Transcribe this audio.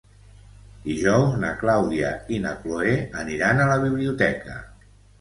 Dijous na Clàudia i na Cloè aniran a la biblioteca.